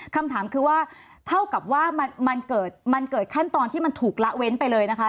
คำถามคือว่าเท่ากับว่ามันเกิดมันเกิดขั้นตอนที่มันถูกละเว้นไปเลยนะคะ